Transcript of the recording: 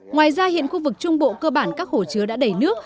ngoài ra hiện khu vực trung bộ cơ bản các hồ chứa đã đầy nước